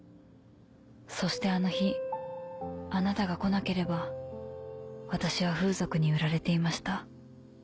そしてあの日あなたが来なければ私は風俗に売られていました。